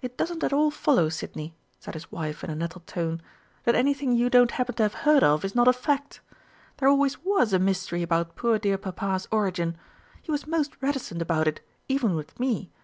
"It doesn't at all follow, Sidney," said his wife in a nettled tone, "that anything you don't happen to have heard of is not a fact. There always was a mystery about poor dear Papa's origin. He was most reticent about it even with me.